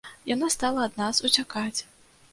Яна стала ад нас уцякаць.